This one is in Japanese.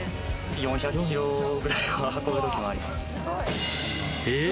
４００キロぐらい運ぶこともあります。